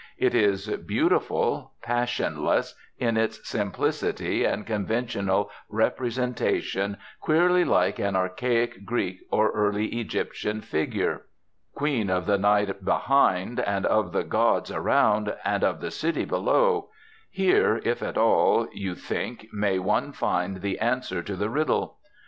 It is beautiful, passionless, in its simplicity and conventional representation queerly like an archaic Greek or early Egyptian figure. Queen of the night behind, and of the gods around, and of the city below here, if at all, you think, may one find the answer to the riddle.